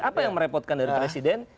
apa yang merepotkan dari presiden